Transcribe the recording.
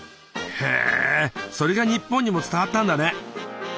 へそれが日本にも伝わったんだね。